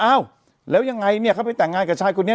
อ้าวแล้วยังไงเนี่ยเขาไปแต่งงานกับชายคนนี้